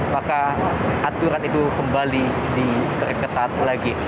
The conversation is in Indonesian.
maka aturan itu kembali diperketat lagi